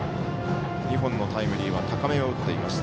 ２本のタイムリーは高めを打っています。